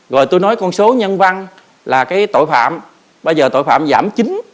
rồi tôi nói con số nhân văn là cái tội phạm bây giờ tội phạm giảm chín bảy mươi năm